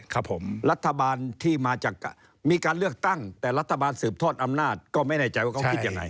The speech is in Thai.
ครับผมรัฐบาลที่มาจากการเลือกตั้งแต่รัฐบาลสืบทอดอำนาจก็ไม่แน่ใจว่าเขาคิดยังไง